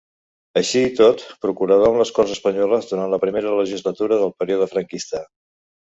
Així i tot, procurador en les Corts Espanyoles durant la primera legislatura del període franquista.